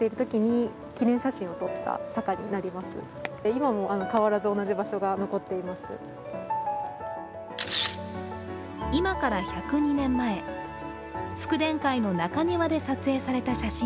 今から１０２年前、福田会の中庭で撮影された写真。